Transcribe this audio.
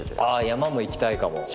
あー、山も行きたいかも。